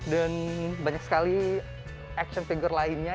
dan banyak sekali action figure lainnya